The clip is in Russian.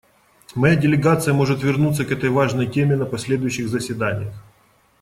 Моя делегация может вернуться к этой важной теме на последующих заседаниях.